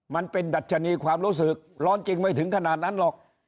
มันเป็นดัชนีความรู้สึกร้อนจริงไม่ถึงขนาดนั้นหรอก